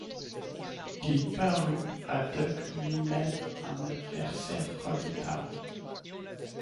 Il parut à Buck lui-même un adversaire redoutable.